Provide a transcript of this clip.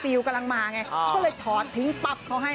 กำลังมาไงก็เลยถอดทิ้งปั๊บเขาให้